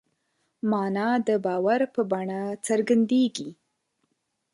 مانا د باور په بڼه څرګندېږي.